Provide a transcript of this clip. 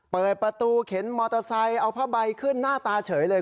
เปิดประตูเข็นมอเตอร์ไซค์เอาผ้าใบขึ้นหน้าตาเฉยเลย